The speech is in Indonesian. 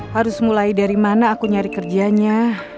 harus mulai dari mana aku nyari kerjanya